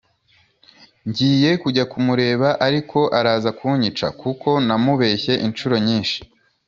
ngiye kujya kumureba ariko araza kunyica kuko namubeshye ishuro nyishi